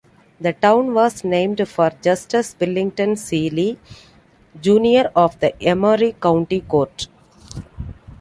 The town was named for Justus Wellington Seeley, Junior of the Emery County Court.